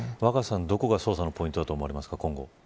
若狭さん、どこが捜査のポイントだと思いますか。